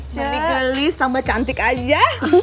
gelis gelis tambah cantik aja